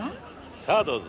さあどうぞ。